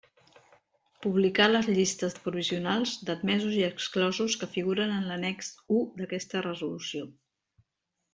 Publicar les llistes provisionals d'admesos i exclosos que figuren en l'annex u d'aquesta resolució.